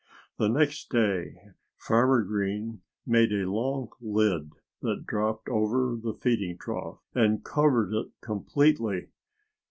The next day Farmer Green made a long lid that dropped over the feeding trough and covered it completely.